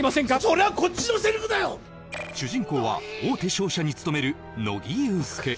それはこっちのセリフだよ主人公は大手商社に勤める乃木憂助